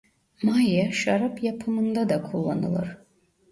Maya şarap yapımında da kullanılır.